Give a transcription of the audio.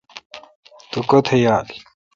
تو کوتھ یال۔